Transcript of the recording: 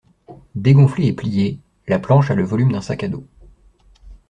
Dégonflée et pliée, la planche a le volume d'un sac à dos.